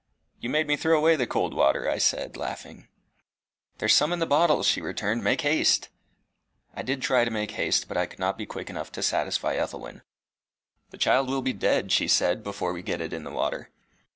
"You made me throw away the cold water," I said, laughing. "There's some in the bottles," she returned. "Make haste." I did try to make haste, but I could not be quick enough to satisfy Ethelwyn. "The child will be dead," she cried, "before we get it in the water."